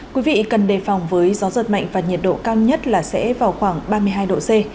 quý vị cần đề phòng với gió giật mạnh và nhiệt độ cao nhất là sẽ vào khoảng ba mươi hai độ c